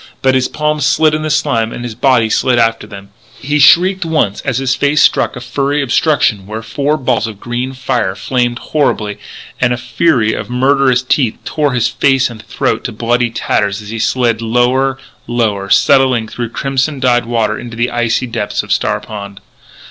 But his palms slid in the slime and his body slid after. He shrieked once as his face struck a furry obstruction where four balls of green fire flamed horribly and a fury of murderous teeth tore his face and throat to bloody tatters as he slid lower, lower, settling through crimson dyed waters into the icy depths of Star Pond.